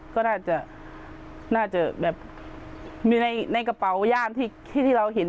ก็น่าจะน่าจะแบบมีในกระเป๋าย่ามที่เราเห็น